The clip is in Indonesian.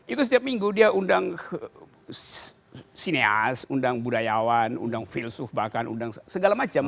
itu setiap minggu dia undang sineas undang budayawan undang filsuf bahkan undang segala macam